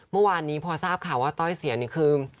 เมื่อวานนี้พอทราบข่าวว่าต้อยเสียนี่คือ